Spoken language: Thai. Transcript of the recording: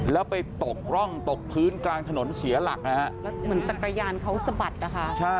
แล้วไปตกร่องตกพื้นกลางถนนเสียหลักนะฮะ